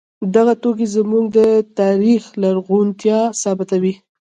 دغه توکي زموږ د تاریخ لرغونتیا ثابتوي.